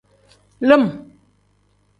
Lim.